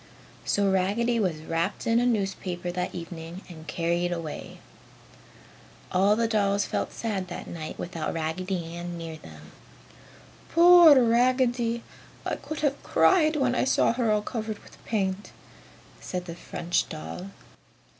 So Raggedy was wrapped in a newspaper that evening and carried away. All the dolls felt sad that night without Raggedy Ann near them. "Poor Raggedy! I could have cried when I saw her all covered with paint!" said the French doll.